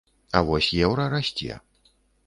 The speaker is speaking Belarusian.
А вось еўра расце.